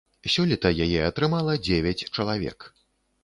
Сёлета яе атрымала дзевяць чалавек.